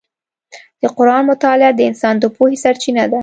د قرآن مطالعه د انسان د پوهې سرچینه ده.